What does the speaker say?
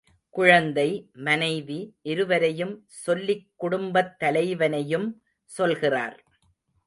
குழந்தை, மனைவி இருவரையும் சொல்லிக் குடும்பத் தலைவனையும் சொல்கிறார்.